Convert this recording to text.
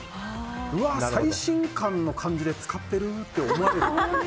うわ、最新感の感じで使ってるって思われる。